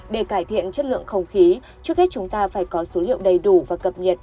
để cải thiện chất lượng không khí trước hết chúng ta phải có số liệu đầy đủ và cập nhật